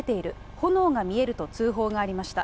炎が見えると通報がありました。